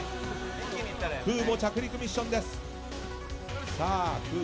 空母着陸ミッションです。